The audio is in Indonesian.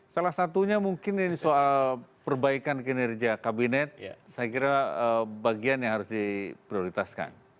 salah satunya mungkin ini soal perbaikan kinerja kabinet saya kira bagian yang harus diprioritaskan